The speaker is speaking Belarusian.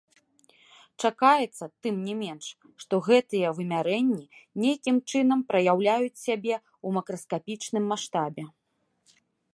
Чакаецца, тым не менш, што гэтыя вымярэнні нейкім чынам праяўляюць сябе ў макраскапічным маштабе.